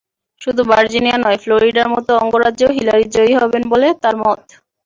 শুধু ভার্জিনিয়া নয়, ফ্লোরিডার মতো অঙ্গরাজ্যেও হিলারি জয়ী হবেন বলে তাঁর মত।